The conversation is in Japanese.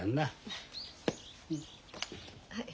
はい。